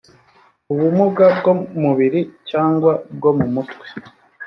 ubumuga bw umubiri cyangwa bwo mu mutwe